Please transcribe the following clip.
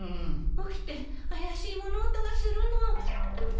起きて怪しい物音がするの。